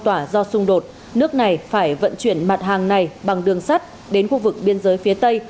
tỏa do xung đột nước này phải vận chuyển mặt hàng này bằng đường sắt đến khu vực biên giới phía tây